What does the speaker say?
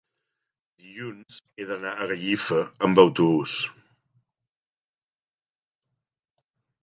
dilluns he d'anar a Gallifa amb autobús.